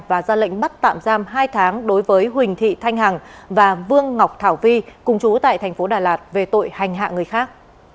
và ra lệnh bắt tạm giam hai tháng đối với huỳnh thị thanh hằng và vương ngọc thảo vi cùng chú tại thành phố đà lạt về tội hành hạ người khác